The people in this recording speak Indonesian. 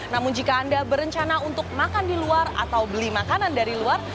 namun jika anda berencana untuk makan di luar atau beli makanan dari luar